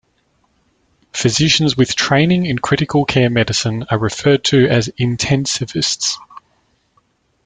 Physicians with training in critical care medicine are referred to as intensivists.